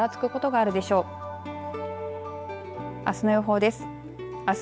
あすの予報です。